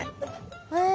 へえ。